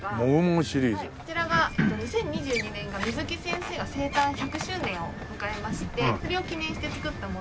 こちらが２０２２年が水木先生が生誕１００周年を迎えましてそれを記念して作ったもの。